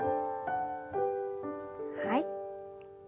はい。